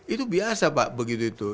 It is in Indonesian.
itu biasa pak begitu itu